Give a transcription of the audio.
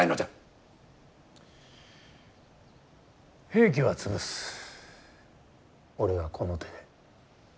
平家は潰す俺がこの手で。